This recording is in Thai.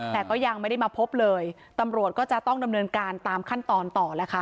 แต่ก็ยังไม่ได้มาพบเลยตำรวจก็จะต้องดำเนินการตามขั้นตอนต่อแล้วค่ะ